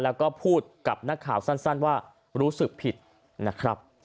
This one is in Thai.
แล้วก็พูดกับนักข่าวสั้นว่ารู้สึกผิดนะครับ